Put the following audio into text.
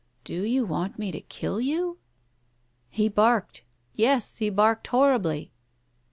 " Do you want me to kill you ?" He barked— yes, he barked horribly.